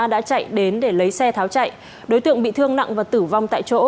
đã chạy đến để lấy xe tháo chạy đối tượng bị thương nặng và tử vong tại chỗ